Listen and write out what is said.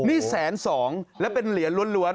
นี่๑๐๒๐๐๐บาทแล้วเป็นเหรียญโล้น